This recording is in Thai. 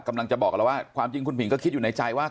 กำลังจะบอกกับเราว่าความจริงคุณผิงก็คิดอยู่ในใจว่า